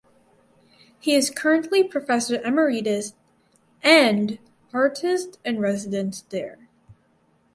He is currently Professor Emeritus and Artist in Residence there.